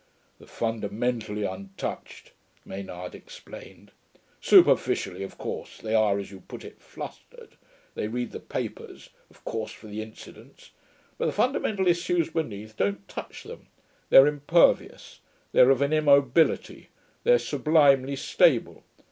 'The fundamentally untouched,' Maynard explained. 'Superficially, of course, they are, as you put it, flustered. They read the papers, of course, for the incidents; but the fundamental issues beneath don't touch them. They're impervious; they're of an immobility; they're sublimely stable.